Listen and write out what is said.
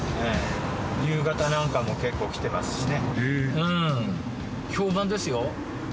夕方なんかも結構来てますしね。